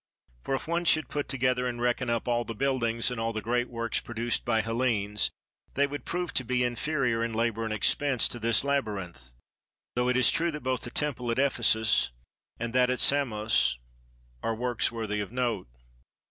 For if one should put together and reckon up all the buildings and all the great works produced by Hellenes, they would prove to be inferior in labour and expense to this labyrinth, though it is true that both the temple at Ephesos and that at Samos are works worthy of note.